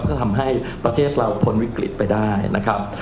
ก็ทำให้ประเทศเราพ้นวิกฤตไปได้นะครับ